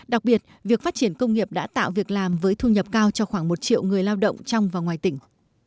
đặc biệt việc phát triển công nghiệp đã tạo việc làm với thu nhập cao cho khoảng một triệu người lao động trong và ngoài tỉnh